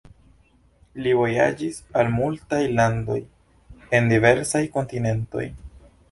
Li vojaĝis al multaj landoj en diversaj kontinentoj.